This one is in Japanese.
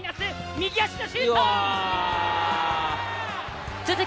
右足シュート！